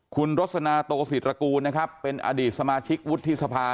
คุณรสนาโตศิตรกูลนะครับเป็นอดีตสมาชิกวุฒิสภา